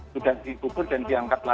sudah dikubur dan diangkat lagi